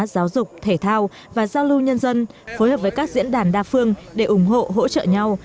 giáo dục thể thao và giao lưu nhân dân phối hợp với các diễn đàn đa phương để ủng hộ hỗ trợ nhau